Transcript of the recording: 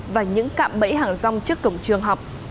và những cạm bẫy hàng rong trước cổng trường học